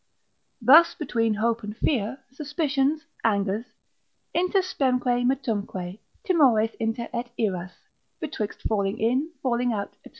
Thus between hope and fear, suspicions, angers, Inter spemque metumque, timores inter et iras, betwixt falling in, falling out, &c.